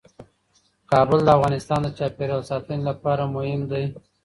کابل د افغانستان د چاپیریال ساتنې لپاره مهم دي.